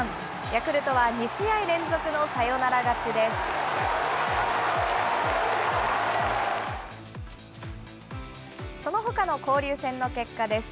ヤクルトは２試合連続のサヨナラ勝ちです。